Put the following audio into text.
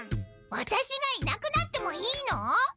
ワタシがいなくなってもいいの？